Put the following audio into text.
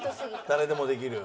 「誰でもできる」！？